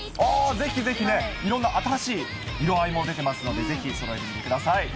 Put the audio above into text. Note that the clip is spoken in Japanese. ぜひぜひね、いろんな新しい色合いも出てますので、ぜひそろえてみてください。